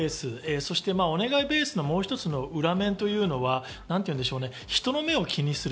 そして、お願いベースのもう一つの裏面というのは、人の目を気にする。